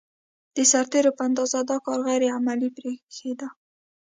د سرتېرو په اند دا کار غیر عملي برېښېده.